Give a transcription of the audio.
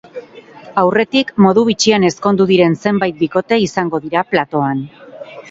Aurretik, modu bitxian ezkondu diren zenbait bikote izango dira platoan.